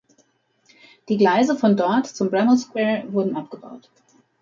Die Gleise von dort zum Bramhall Square wurden abgebaut.